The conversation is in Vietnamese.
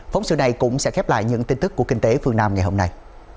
phóng sự này cũng sẽ khép lại những tin tức của kinh tế phương nam ngày hôm nay